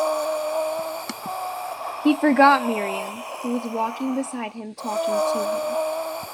He forgot Miriam, who was walking beside him talking to him.